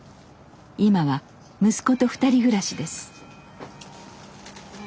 今は息子と２人暮らしです。